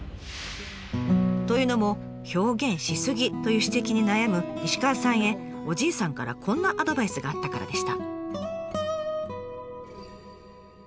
というのも「表現し過ぎ」という指摘に悩む石川さんへおじいさんからこんなアドバイスがあったからでした。